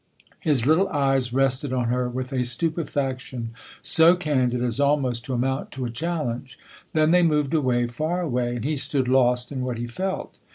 His little eyes rested on her with a stupefaction so candid as almost to amount to a challenge ; then they moved away, far away, and he stood lost in what he felt.